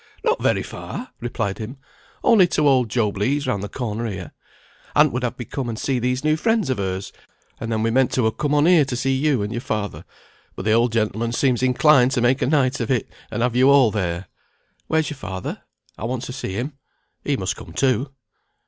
"Not very far," replied he. "Only to old Job Legh's round the corner here. Aunt would have me come and see these new friends of hers, and then we meant to ha' come on here to see you and your father, but the old gentleman seems inclined to make a night of it, and have you all there. Where's your father? I want to see him. He must come too."